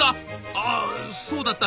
「あそうだった。